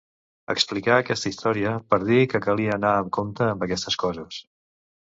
Explicà aquesta història per dir que calia anar amb compte amb aquestes coses.